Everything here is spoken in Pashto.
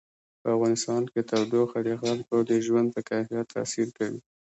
په افغانستان کې تودوخه د خلکو د ژوند په کیفیت تاثیر کوي.